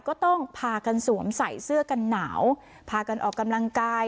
ก็ต้องพากันสวมใส่เสื้อกันหนาวพากันออกกำลังกาย